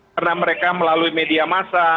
karena mereka melalui media massa